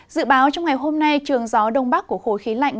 dự báo trong ngày hôm nay trường gió đông bắc của khối khí lạnh